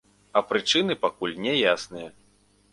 А прычыны пакуль няясныя.